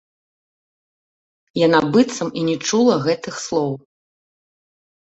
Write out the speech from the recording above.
Яна быццам і не чула гэтых слоў.